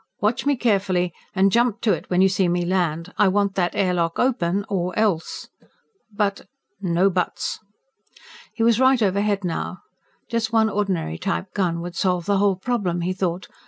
Watch me carefully, and jump to it when you see me land. I want that airlock open, or else." "But " "No buts!" He was right overhead now. Just one ordinary type gun would solve the whole problem, he thought.